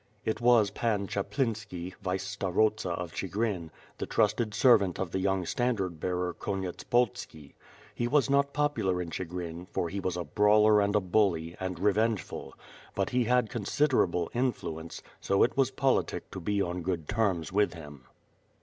It was Pan Chaplinski, vice starosta of Ohigrin, the trusted servant of the young standard bearer Konyetspolski. He was not popular in Chigrin, for he was a brawler and a bully, and revengeful, but he had considerable influence, so it was politic to be on good terms with him.